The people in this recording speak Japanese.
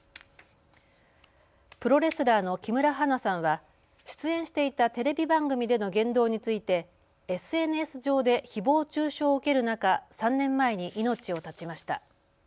プロレスラーの木村花さんは出演していたテレビ番組での言動についてＳＮＳ上でひぼう中傷を受ける中、３年前に命を絶ちました。